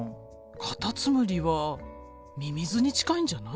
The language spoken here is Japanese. カタツムリはミミズに近いんじゃない？